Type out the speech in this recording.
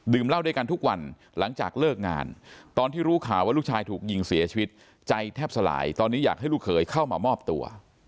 เหล้าด้วยกันทุกวันหลังจากเลิกงานตอนที่รู้ข่าวว่าลูกชายถูกยิงเสียชีวิตใจแทบสลายตอนนี้อยากให้ลูกเขยเข้ามามอบตัว